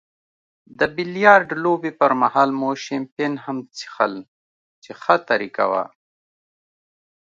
د بیلیارډ لوبې پرمهال مو شیمپین هم څیښل چې ښه طریقه وه.